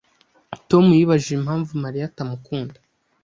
Tom yibajije impamvu Mariya atamukunda.